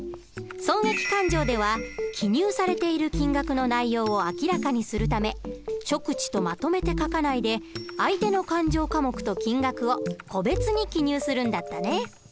損益勘定では記入されている金額の内容を明らかにするため「諸口」とまとめて書かないで相手の勘定科目と金額を個別に記入するんだったね。